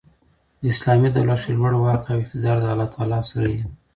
په اسلامي دولت کښي لوړ واک او اقتدار د الله تعالی سره يي.